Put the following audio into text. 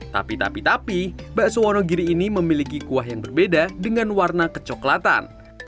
tapi tapi tapi tapi bakso wonogiri ini memiliki kuah yang berbeda dengan warna kecoklatan